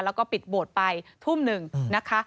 แล้วก็ปิดโบสถ์ไปทุ่มหนึ่งนะคะ